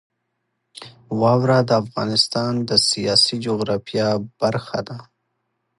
واوره د افغانستان د سیاسي جغرافیه برخه ده.